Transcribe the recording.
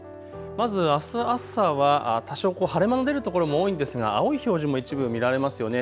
まずあす朝は多少、晴れ間の出る所も多いんですが青い表示も一部見られますよね。